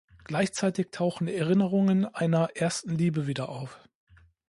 Gleichzeitig tauchen Erinnerungen einer ersten Liebe wieder auf.